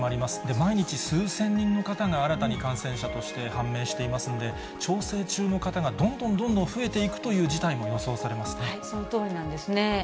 毎日、数千人の方が新たに感染者として判明していますんで、調整中の方がどんどんどんどん増えていくという事態も予想されまそのとおりなんですね。